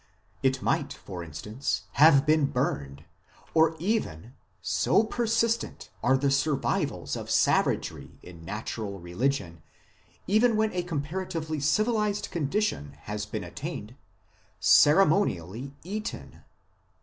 It might, for instance, have been burned, or even so persistent are the survivals of savagery in natural religion, even when a comparatively civilized con dition has been attained ceremonially eaten."